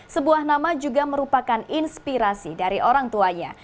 sebuah nama juga merupakan inspirasi dari orang tuanya